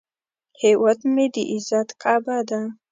هیواد مې د عزت کعبه ده